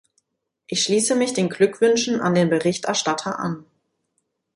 Ich schließe mich den Glückwünschen an den Berichterstatter an.